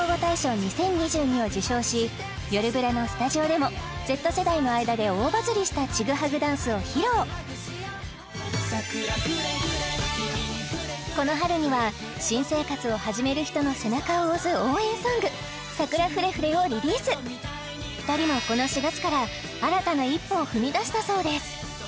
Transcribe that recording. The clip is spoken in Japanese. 「よるブラ」のスタジオでもＺ世代の間で大バズりしたチグハグダンスを披露この春には新生活を始める人の背中を押す応援ソング「サクラフレフレ」をリリース２人もこの４月から新たな一歩を踏み出したそうです